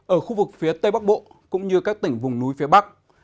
ở khu vực phía tây bắc bộ cũng như các tỉnh vùng núi phía bắc